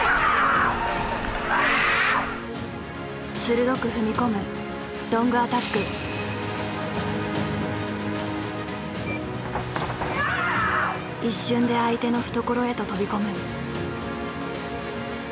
鋭く踏み込む一瞬で相手の懐へと飛び込む。